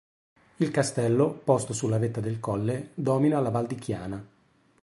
Il castello, posto sulla vetta del colle, domina la Val di Chiana.